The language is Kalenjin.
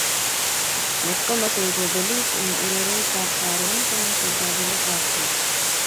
Ngotkomachei kobelis eng urereitab ab Karon komochei kogiletabnkei